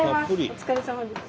お疲れさまです。